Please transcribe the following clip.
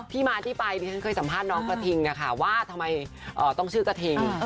ที่มาที่ไปดิฉันเคยสัมภาษณ์น้องกระทิงนะคะว่าทำไมต้องชื่อกระทิง